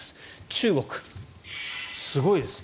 中国、すごいです。